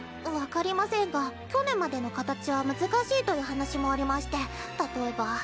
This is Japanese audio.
分かりませんが去年までの形は難しいという話もありまして例えば。